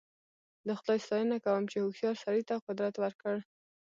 د خدای ستاینه کوم چې هوښیار سړي ته قدرت ورکړ.